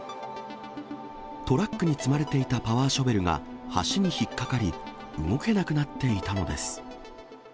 トラックに積まれていたパワーショベルが、橋に引っ掛かり、動けなくなっていたのです。